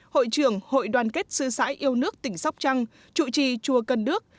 hội trưởng hội đoàn kết sư sãi yêu nước tỉnh sóc trăng chủ trì chùa cân đức